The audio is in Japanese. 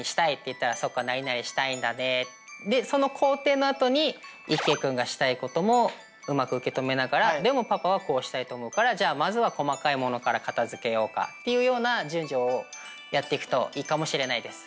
なかなかもうちょっとプラスするとしたらでその肯定のあとに一慶君がしたいこともうまく受け止めながらでもパパはこうしたいと思うからじゃあまずは細かいものから片づけようかっていうような順序をやっていくといいかもしれないです。